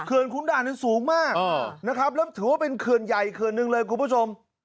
เขื่อนขุนด่านสูงมากนะครับแล้วถือว่าเป็นเขื่อนใหญ่หรือคือหนึ่งเลยคุณผู้ชม